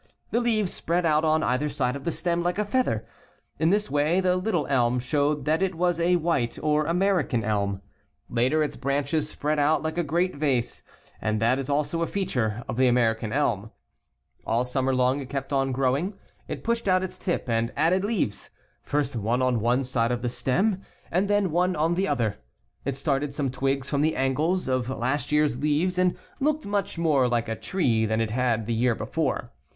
The leaves spread out on either ^ side of the stem like a ^ feather In this w^y tht little elm ^^^_ bhc\\ed that it was a white S'^1 or American elm. Later its 3.E^Tw.olow,«.F^TH«.. branches spread out like a LIKE ARRANGEMENT. great vasc, and that is also a feature of the American elm. All summer long it kept on growing. It pushed out its tip and added leaves, first one on one side of the stem, and then one on the other. It started some' twigs from the angles of last year's leaves and looked much more like a tree than it had the year before.